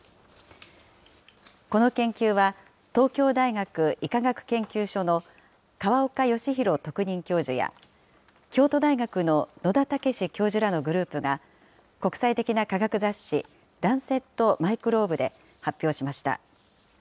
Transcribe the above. この研究は、東京大学医科学研究所の河岡義裕特任教授や、京都大学の野田岳志教授らのグループが、国際的な科学雑誌、ランセット・マイクローブで発表しました。